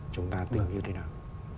chúng ta tính như thế nào